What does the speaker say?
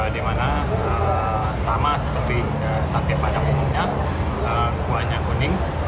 di mana sama seperti sate pada umumnya kuahnya kuning